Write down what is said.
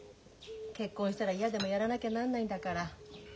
結婚したら嫌でもやらなきゃなんないんだから。